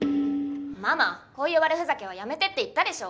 ママこういう悪ふざけはやめてって言ったでしょ？